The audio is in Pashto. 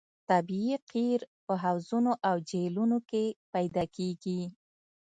طبیعي قیر په حوضونو او جهیلونو کې پیدا کیږي